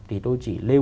thì tôi chỉ lêu